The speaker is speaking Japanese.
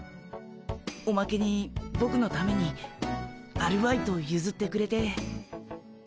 おまけにボクのためにアルバイトをゆずってくれて。